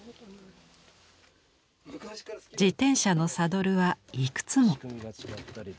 自転車のサドルはいくつも。